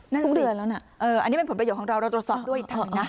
นั่นสิทุกเดือนแล้วน่ะเอออันนี้เป็นผลประโยชน์ของเราเราจะสอบด้วยอีกทางหนึ่งนะ